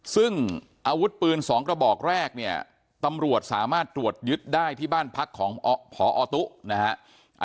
ซึ่งอาวุธปืน๒กระบอกแรกเนี่ยตำรวจสามารถตรวจยึดได้ที่บ้านพักของพอตุ๊นะฮะ